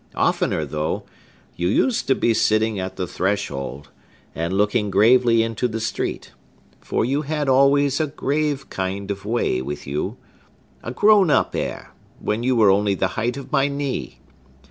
Oftener, though, you used to be sitting at the threshold, and looking gravely into the street; for you had always a grave kind of way with you,—a grown up air, when you were only the height of my knee.